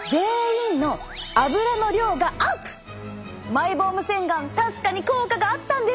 マイボーム洗顔確かに効果があったんです！